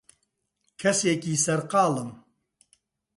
کەسێکی سەرقاڵم.